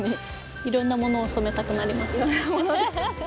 いろんな物を染めたくなります。